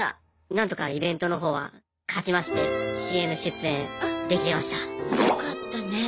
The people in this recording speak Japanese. なんとかイベントの方は勝ちましてＣＭ出演できました。